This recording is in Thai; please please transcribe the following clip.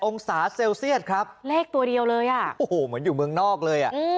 องศาเซลเซียตครับเลขตัวเดียวเลยอ่ะโอ้โหเหมือนอยู่เมืองนอกเลยอ่ะ